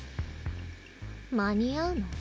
間に合うの？